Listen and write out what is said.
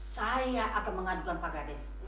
saya akan mengadukan pak gades